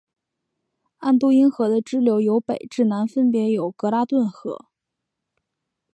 安都因河的支流由北至南分别有格拉顿河。